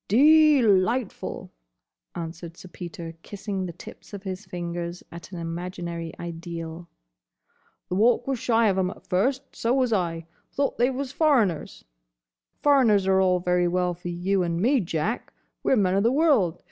"De lightful!" answered Sir Peter, kissing the tips of his fingers at an imaginary ideal. "The Walk was shy of 'em at first. So was I. Thought they was foreigners. Foreigners are all very well for you and me, Jack. We 're men o' the world.